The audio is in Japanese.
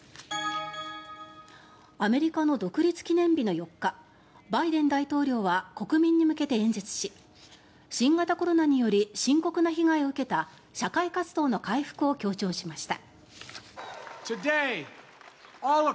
アメリカの独立記念日の４日バイデン大統領は国民に向けて演説し新型コロナにより深刻な被害を受けた社会活動の回復を強調しました。